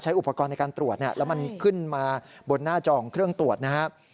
อุปกรณ์ในการตรวจแล้วมันขึ้นมาบนหน้าจอของเครื่องตรวจนะครับ